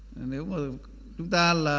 nếu mà chúng ta là